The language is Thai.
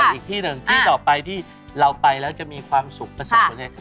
อีกที่หนึ่งที่ต่อไปที่เราไปแล้วจะมีความสุขประสบผลยังไง